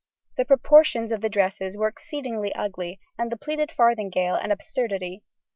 The proportions of the dresses were exceedingly ugly, and the pleated farthingale an absurdity.